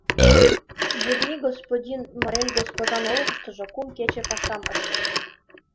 Бурни господин Марель госпожан олыкыштыжо кум кече пашам ыштыш.